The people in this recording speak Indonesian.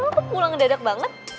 karawan kok pulang ngededek banget